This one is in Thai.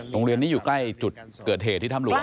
โรงเรียนนี้อยู่ใกล้จุดเกิดเหตุที่ถ้ำหลวง